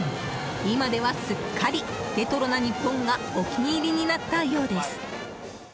今ではすっかりレトロな日本がお気に入りになったようです。